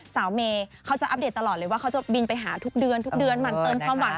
สาวเมเขาจะอัปเดตตลอดเลยว่าเขาจะบินไปหาทุกเดือนมันเติมความหวาน